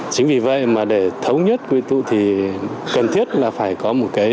chính vì vậy mà để thống nhất quy tụ thì cần thiết là phải có một cái